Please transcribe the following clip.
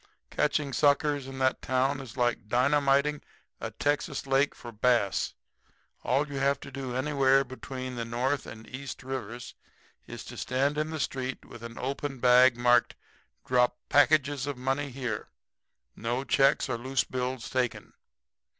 Catching suckers in that town is like dynamiting a Texas lake for bass. All you have to do anywhere between the North and East rivers is to stand in the street with an open bag marked, 'Drop packages of money here. No checks or loose bills taken.'